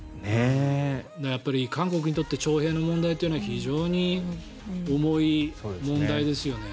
やっぱり韓国にとって徴兵の問題というのは非常に重い問題ですよね。